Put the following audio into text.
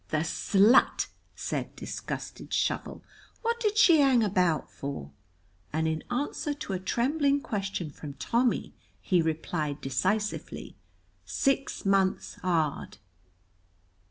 "The slut!" said disgusted Shovel, "what did she hang about for?" and in answer to a trembling question from Tommy he replied, decisively, "Six months hard."